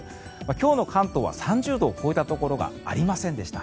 今日の関東は３０度を超えたところがありませんでした。